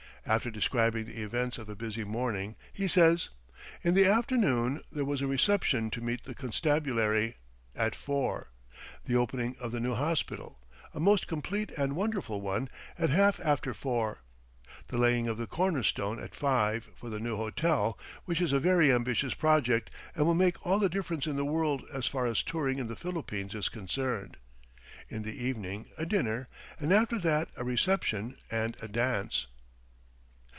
After describing the events of a busy morning, he says: "In the afternoon, there was a reception to meet the constabulary, at four; the opening of the new hospital, a most complete and wonderful one, at half after four; the laying of the corner stone at five for the new hotel, which is a very ambitious project and will make all the difference in the world as far as touring in the Philippines is concerned; in the evening, a dinner, and after that a reception, and a dance."